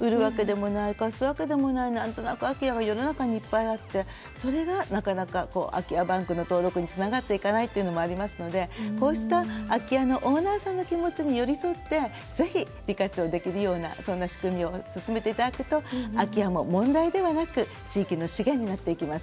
売るわけでもない貸すわけでもないなんとなくの空き家が世の中にたくさんあってそれがなかなか、空き家バンクの登録につながっていかないというのがありますので空き家さんのオーナーさんの気持ちに寄り添って利活用を進めていただくと空き家も問題ではなく地域の資源になっていきます。